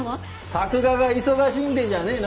「作画が忙しいんで」じゃねえの？